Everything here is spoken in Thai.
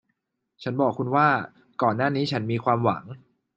ฉันบอกคุณว่าก่อนหน้านี้ฉันมีความหวัง